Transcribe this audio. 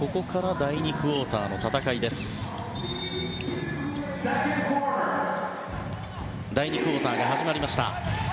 第２クオーターが始まりました。